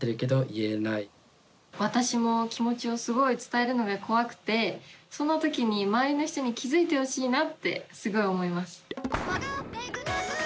私も気持ちをすごい伝えるのが怖くてその時に周りの人に気付いてほしいなってすごい思います。